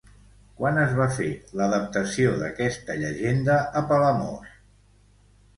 Quan es va fer l'adaptació d'aquesta llegenda a Palamós?